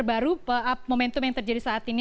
baru momentum yang terjadi saat ini